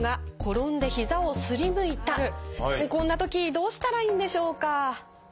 こんなときどうしたらいいんでしょうか？